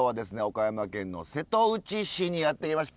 岡山県の瀬戸内市にやって来ました。